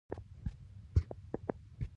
د میوو پروسس فابریکې باید ډیرې شي.